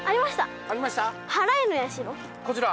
こちら？